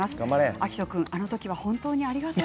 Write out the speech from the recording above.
照史君、あの時は本当にありがとう。